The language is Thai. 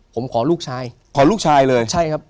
ผมขอลูกชายขอลูกชายเลย